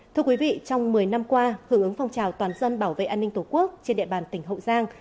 thưa quý vị trong một mươi năm qua hưởng ứng phong trào toàn dân bảo vệ an ninh tổ quốc trên địa bàn tỉnh hậu giang